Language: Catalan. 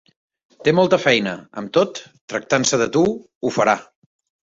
Té molta feina; amb tot, tractant-se de tu, ho farà.